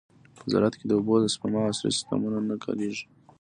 په زراعت کې د اوبو د سپما عصري سیستمونه نه کارېږي.